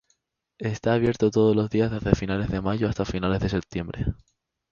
Está abierto todos los días, desde finales de mayo hasta finales de septiembre.